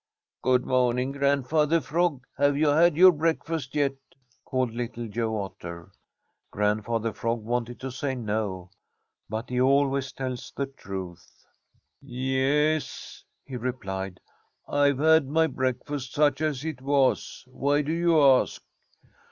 "Good morning, Grandfather Frog! Have you had your breakfast yet?" called Little Joe Otter. Grandfather Frog wanted to say no, but he always tells the truth. "Ye e s," he replied. "I've had my breakfast, such as it was. Why do you ask?"